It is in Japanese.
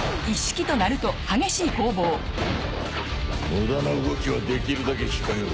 無駄な動きはできるだけ控えろ。